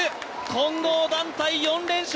混合団体、４連勝！